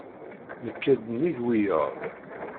Nekka-d nnig wiyaḍ.